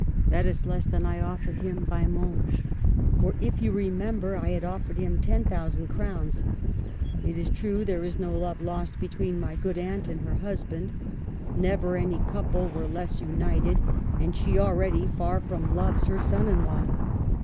That is less than I offered him by Monge ; for, if you remember, I had offered him ten thousand crowns. ... It is true there is no love lost between my good aunt and her husband, — never any couple were less united ; and she already far from loves her son in law.